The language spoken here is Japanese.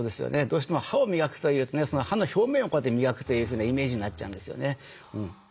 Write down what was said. どうしても歯を磨くというとね歯の表面をこうやって磨くというふうなイメージになっちゃうんですよね。